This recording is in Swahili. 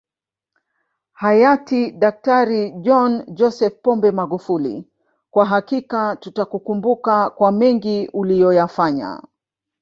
Hayati DkJohn Joseph Pombe Magufuli kwa hakika tutakukumbuka kwa mengi uliyoyafanya